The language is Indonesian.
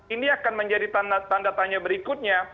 ini akan menjadi tanda tanya berikutnya